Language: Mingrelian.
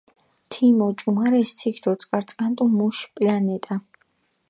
თიმ ოჭუმარეს თიქ დოწკარწკანტუ მუშ პლანეტა.